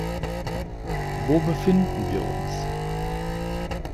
Wo befinden wir uns?